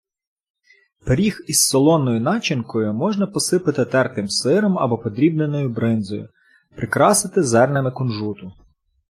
Пиріг із солоною начинкою можна посипати тертим сиром або подрібненою бринзою, прикрасити зернами кунжуту.